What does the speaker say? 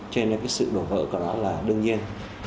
cho nên cái sự đổ vỡ của nó là đương nhiên